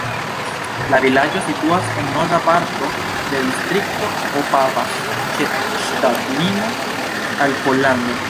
La vilaĝo situas en norda parto de distrikto Opava ĉe ŝtatlimo al Pollando.